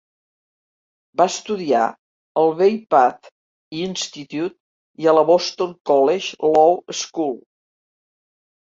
Va estudiar al Bay Path Institute i a la Boston College Law School.